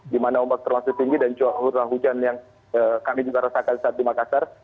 di mana ombak terlalu tinggi dan curah hujan yang kami juga rasakan saat di makassar